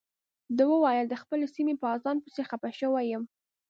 ده وویل د خپلې سیمې په اذان پسې خپه شوی یم.